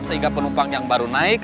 sehingga penumpang yang baru naik